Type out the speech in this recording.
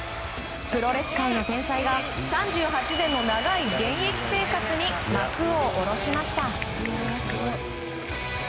プロレス界の天才が３８年の長い現役生活に幕を下ろしました。